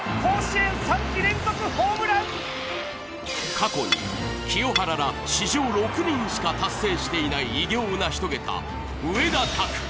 過去に清原ら史上６人しか達成していない偉業を成し遂げた植田拓。